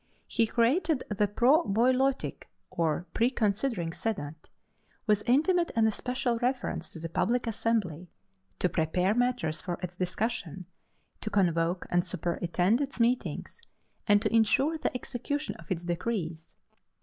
He created the pro bouleutic, or pre considering senate, with intimate and especial reference to the public assembly to prepare matters for its discussion, to convoke and superintend its meetings, and to insure the execution of its decrees.